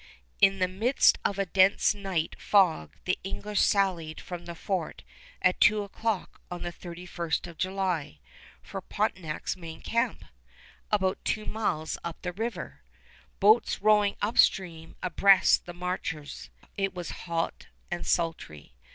In the midst of a dense night fog the English sallied from the fort at two o'clock on the 31st of July for Pontiac's main camp, about two miles up the river, boats rowing upstream abreast the marchers. It was hot and sultry.